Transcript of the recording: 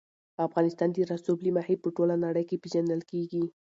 افغانستان د رسوب له مخې په ټوله نړۍ کې پېژندل کېږي.